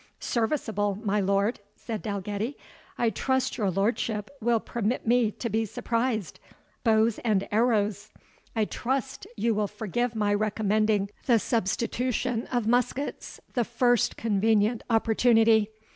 ] "Serviceable, my lord!" said Dalgetty; "I trust your lordship will permit me to be surprised bows and arrows! I trust you will forgive my recommending the substitution of muskets, the first convenient opportunity.